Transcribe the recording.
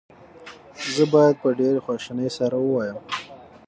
زه باید په ډېرې خواشینۍ سره ووایم.